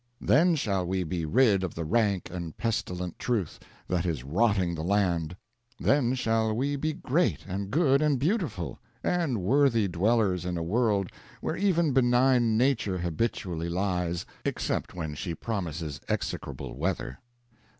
Then shall we be rid of the rank and pestilent truth that is rotting the land; then shall we be great and good and beautiful, and worthy dwellers in a world where even benign Nature habitually lies, except when she promises execrable weather.